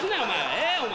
えぇお前。